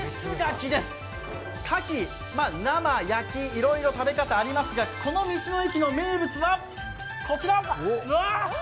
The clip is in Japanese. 牡蠣、焼きなどいろいろ食べ方ありますがこの道の駅の名物はこちら。